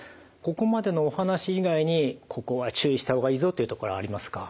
ここまでのお話以外にここは注意した方がいいぞというところありますか？